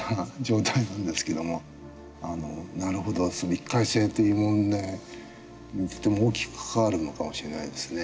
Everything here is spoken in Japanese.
一回性という問題にとても大きく関わるのかもしれないですね。